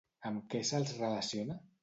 Amb què se'ls relaciona?